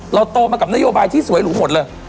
โตมากับนโยบายที่สวยหรูหมดเลย